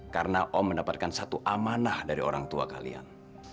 karena om mendapatkan satu amanah dari orang tua kalian